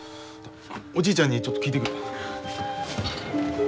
おじいちゃんにちょっと聞いてくる。